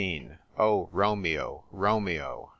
"O, ROMEO, ROMEO!"